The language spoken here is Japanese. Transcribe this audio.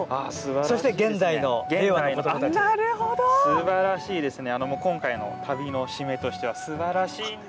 すばらしいですね。